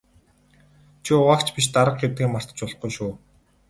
Чи угаагч биш дарга гэдгээ мартаж болохгүй шүү.